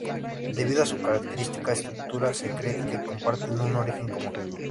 Debido a su característica estructura, se cree que comparten un origen común.